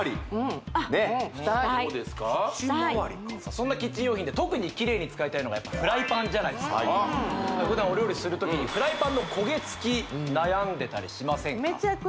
そんなキッチン用品で特にキレイに使いたいのがやっぱ普段お料理する時にフライパンの焦げ付き悩んでたりしませんか？